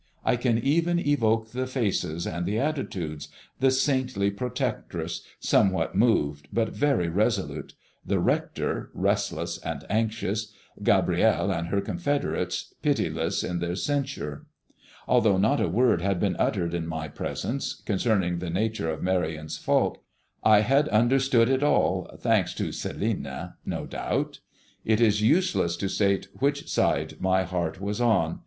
I can even evoke the faces and the attitudes, the saintly protectress, somewhat moved, but very resolute; the rector, restless and anxious; Gabrielle and her confederates, pitiless in their censure. Although not a word had been uttered in my presence concerning the nature of Marion's fault, I had understood it all, thanks to "Celina," no doubt. It is useless to state which side my heart was on.